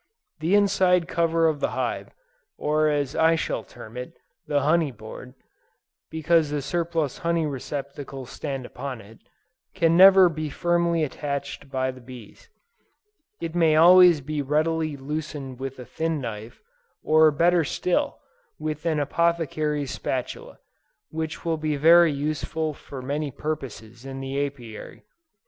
The inside cover of the hive, or as I shall term it, the honey board, because the surplus honey receptacles stand upon it, can never be very firmly attached by the bees: it may always be readily loosened with a thin knife, or better still, with an apothecary's spatula, which will be very useful for many purposes in the Apiary.